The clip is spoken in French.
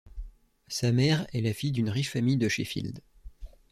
Sa mère est la fille d'une riche famille de Sheffield.